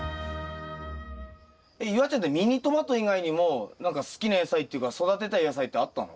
えっ夕空ちゃんってミニトマト以外にも何か好きな野菜っていうか育てたい野菜ってあったの？